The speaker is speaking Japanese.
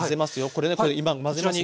これね今混ぜますね。